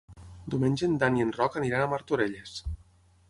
Diumenge en Dan i en Roc aniran a Martorelles.